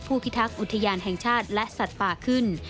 พิทักษ์อุทยานแห่งชาติและสัตว์ป่าขึ้น